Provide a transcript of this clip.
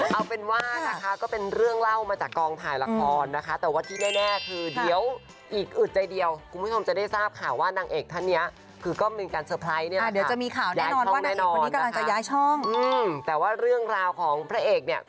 เอาเป็นว่านะคะก็เป็นเรื่องเล่ามาจากกองถ่ายละครนะคะ